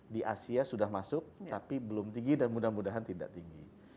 di asia sudah masuk tapi belum tinggi dan mudah mudahan tidak tinggi